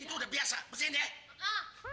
itu udah biasa bersihin ya